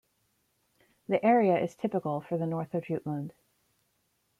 The area is typical for the north of Jutland.